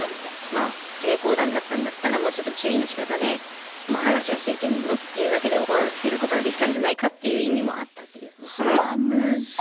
まあ不正交談だったんだったらもうちょっと注意のしかたでもう話はしちゃいけんぞって言うだけで終わらせることはできたんじゃないかっていう意味もあったっていうね。